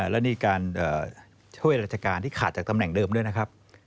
และนี่การช่วยราชการที่ขาดจากตำแหน่งเดิมด้วยนะครับ